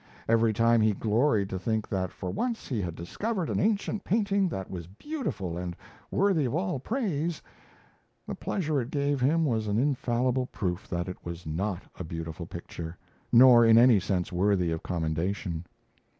Every time he gloried to think that for once he had discovered an ancient painting that was beautiful and worthy of all praise, the pleasure it gave him was an infallible proof that it was not a beautiful picture, nor in any sense worthy of commendation!